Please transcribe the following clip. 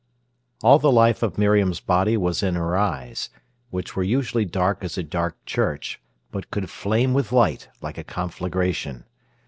All the life of Miriam's body was in her eyes, which were usually dark as a dark church, but could flame with light like a conflagration.